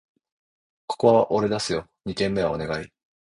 ここは俺出すよ！二軒目はお願い